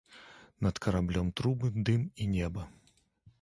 Над караблём трубы, дым і неба.